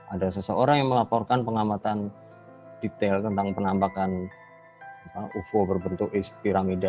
ada seseorang yang melaporkan pengamatan detail tentang penampakan ufo berbentuk es piramida